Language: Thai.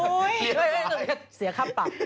อุ๊ยเสือข้ามปัก